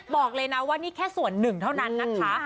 บอกเลยนะว่านี่แค่ส่วนหนึ่งเท่านั้นนะคะ